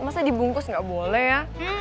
maksudnya dibungkus nggak boleh ya